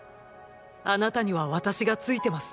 あなたには私がついてます。